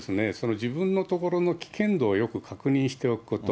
自分の所の危険度をよく確認しておくこと。